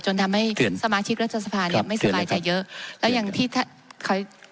จนทำให้สมาชิกรัฐสภาเนี่ยไม่สบายใจเยอะแล้วอย่างที่เขา